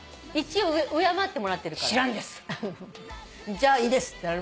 「じゃあいいです」ってなる。